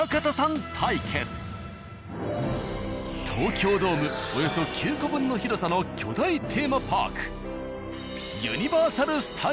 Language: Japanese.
東京ドームおよそ９個分の広さの巨大テーマパーク。